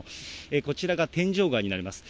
こちらが天井川になります。